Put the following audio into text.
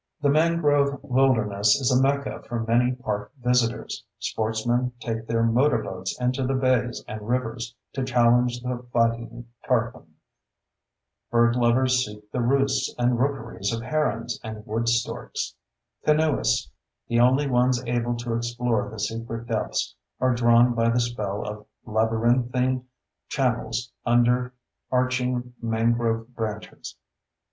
The mangrove wilderness is a mecca for many park visitors. Sportsmen take their motorboats into the bays and rivers to challenge the fighting tarpon. Bird lovers seek the roosts and rookeries of herons and wood storks. Canoeists, the only ones able to explore the secret depths, are drawn by the spell of labyrinthine channels under arching mangrove branches.